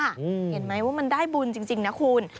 เห็นไหมว่ามันได้บุญจริงนะคุณ